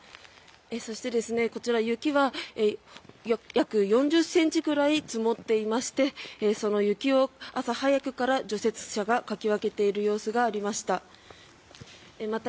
そして、こちら雪は約４０ｃｍくらい積もっていましてその雪を朝早くから除雪車がかき分けている様子がありました。